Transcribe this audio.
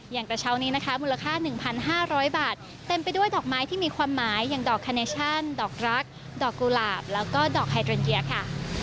กระเช้านี้นะคะมูลค่า๑๕๐๐บาทเต็มไปด้วยดอกไม้ที่มีความหมายอย่างดอกคาเนชั่นดอกรักดอกกุหลาบแล้วก็ดอกไฮโดรนเยียค่ะ